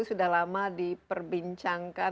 sudah lama diperbincangkan